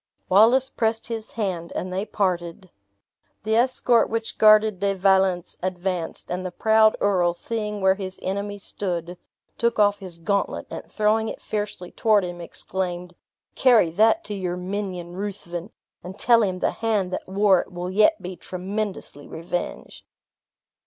Wallace pressed his hand, and they parted. The escort which guarded De Valence advanced; and the proud earl, seeing where his enemy stood, took off his gauntlet, and throwing it fiercely toward him, exclaimed, "Carry that to your minion Ruthven, and tell him the hand that wore it will yet be tremendously revenged!"